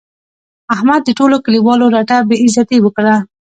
احمد د ټولو کلیوالو رټه بې عزتي وکړه.